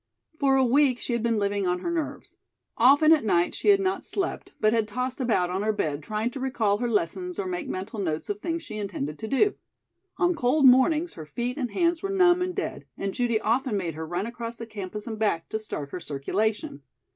For a week she had been living on her nerves. Often at night she had not slept, but had tossed about on her bed trying to recall her lessons or make mental notes of things she intended to do. On cold mornings, her feet and hands were numb and dead and Judy often made her run across the campus and back to start her circulation.